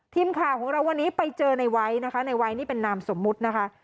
ทีมข่าวของเราวันนี้ไปเจอในไว้นะคะในไวทนี่เป็นนามสมมุตินะคะ